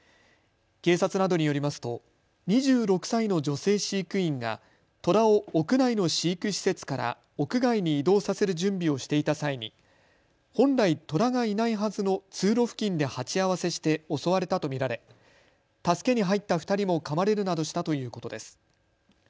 警察などによりますと２６歳の女性飼育員がトラを屋内の飼育施設から屋外に移動させる準備をしていた際に本来トラがいないはずの通路付近で鉢合わせして襲われたと見られ、助けに入った２人もかまれるなどしたということです。